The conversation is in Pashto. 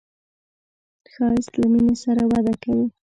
ښایست له مینې سره وده کوي